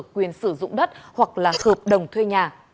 quyền sử dụng đất hoặc là hợp đồng thuê nhà